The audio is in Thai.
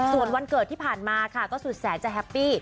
ส่วนวันเกิดที่ผ่านมาค่ะก็สุดแสนจะแฮปปี้